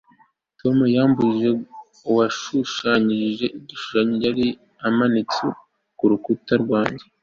tom yambajije uwashushanyije ishusho yari imanitse ku rukuta rwanjye